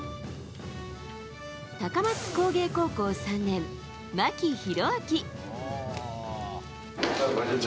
高松工芸高校３年、牧大晃。